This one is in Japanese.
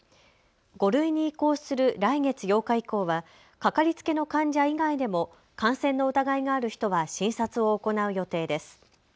５類に移行する来月８日以降はかかりつけの患者以外でも感染の疑いがある人は診察を行う予定です。